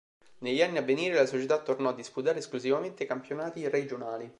Negli anni a venire la società tornò a disputare esclusivamente campionati regionali.